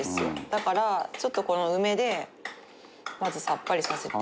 だからちょっとこの梅でまずさっぱりさせて。